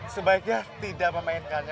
sebaiknya tidak memainkannya